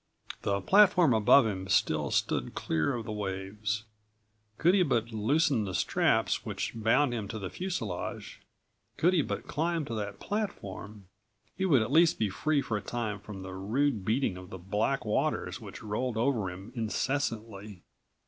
The platform above him still stood clear of the waves. Could he but loosen the straps which bound him to the fuselage, could he but climb to that platform, he would at least be free for a time from the rude beating of the black waters which rolled over him incessantly.